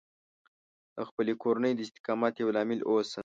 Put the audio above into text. د خپلې کورنۍ د استقامت یو لامل اوسه